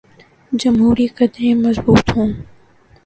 جمہوری قدریں مضبوط ہوں۔